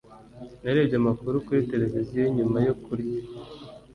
Narebye amakuru kuri televiziyo nyuma yo kurya.